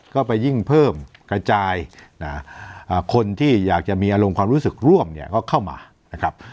ก็ไปยิ่งเพิ่มกระจายคนที่อยากจะมีอารมณ์ความรู้สึกร่วมเนี่ยก็เข้ามานะครับ